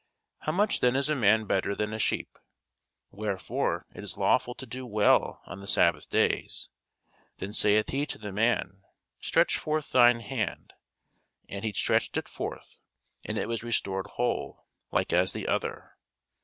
How much then is a man better than a sheep? Wherefore it is lawful to do well on the sabbath days. Then saith he to the man, Stretch forth thine hand. And he stretched it forth; and it was restored whole, like as the other.